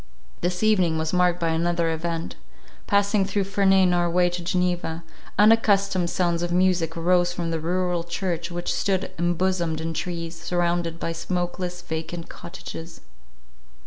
This evening was marked by another event. Passing through Ferney in our way to Geneva, unaccustomed sounds of music arose from the rural church which stood embosomed in trees, surrounded by smokeless, vacant cottages.